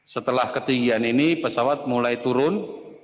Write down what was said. setelah ketinggian ini pesawat mulai turun